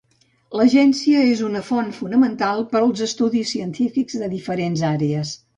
L'agència és una font fonamental per als estudis científics de diferents àrees.